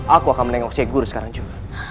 aku akan mendengar syekh guru sekarang juga